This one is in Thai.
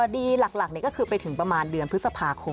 ดีหลักก็คือไปถึงประมาณเดือนพฤษภาคม